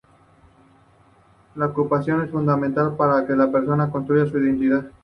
La ocupación es fundamental para que la persona construya su identidad.